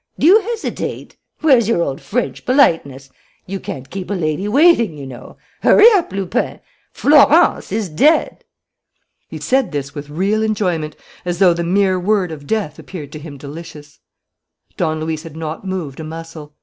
Do you hesitate? Where's your old French politeness? You can't keep a lady waiting, you know. Hurry up, Lupin! Florence is dead!" He said this with real enjoyment, as though the mere word of death appeared to him delicious. Don Luis had not moved a muscle.